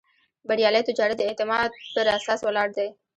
بریالی تجارت د اعتماد پر اساس ولاړ دی.